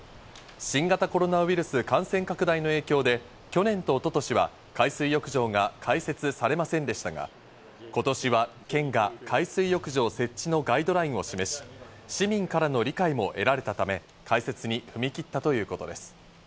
新型コロナウイルス感染拡大の影響で去年と一昨年は海水浴場が開設されませんでしたが、今年は県が海水浴場設置のガイドラインを示し、市民からの理解も得られたため開設に踏み切ったということです。